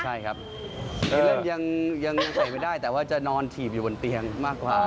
ใช่ครับยังใส่ไม่ได้แต่ว่าจะนอนถีบอยู่บนเตียงมากกว่า